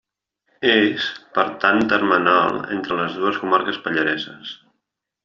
És, per tant termenal entre les dues comarques pallareses.